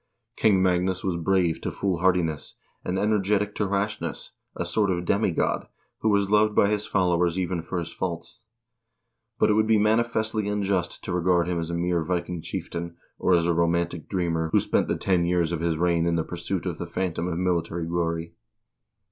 King Magnus was brave to foolhardiness, and energetic to rashness, a sort of demigod, who was loved by his followers even for his faults. But it would be manifestly unjust to regard him as a mere Viking chieftain, or as a romantic dreamer, who spent the ten years of his reign in the pursuit of the phantom of military glory.